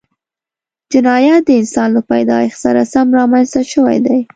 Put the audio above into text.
جنایت د انسان له پیدایښت سره سم رامنځته شوی دی